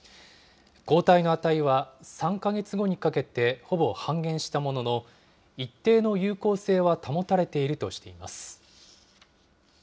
抗体の値は３か月後にかけてほぼ半減したものの、一定の有効性は保たれているとしています。